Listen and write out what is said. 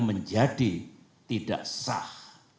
menjadi tidak sah